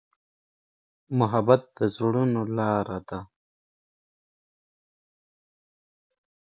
محبت د زړونو لاره ده.